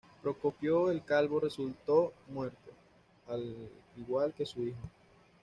Procopio el Calvo resultó muerto, al igual que su hijo.